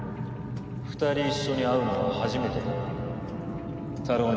２人一緒に会うのは初めてだな。